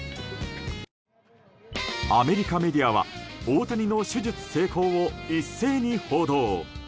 アメリカメディアは大谷の手術成功を一斉に報道。